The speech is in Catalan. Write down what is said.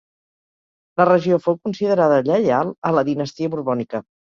La regió fou considerada lleial a la dinastia borbònica.